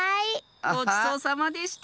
ごちそうさまでした！